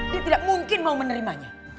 dia tidak mungkin mau menerimanya